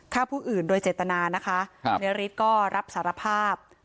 ฆ่าผู้อื่นโดยเจตนานะคะครับในฤทธิ์ก็รับสารภาพ